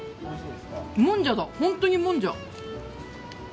もんじゃだ、本当にもんじゃ。